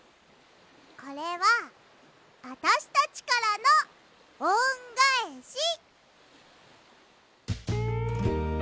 これはあたしたちからのおんがえし。